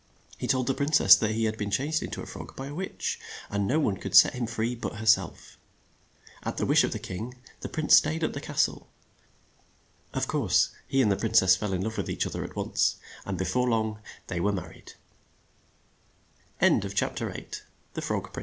He told the prin cess that he had been changed in to a frog by a witch, and no one could set him free but her self. At the wish of the king, the prince stayed at the castle Of course he and the princess fell in love with each oth er at once, and be fore long they were mar r